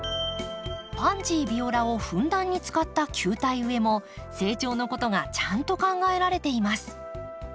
パンジー・ビオラをふんだんに使った球体植えも成長のことがちゃんと考えられています。